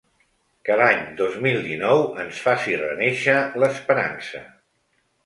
Que l’any dos mil dinou ens faci renéixer l’esperança.